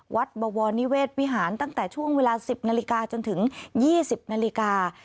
วัดบวนิเวศวิหารตั้งแต่ช่วงเวลาสิบนาฬิกาจนถึงยี่สิบนาฬิกา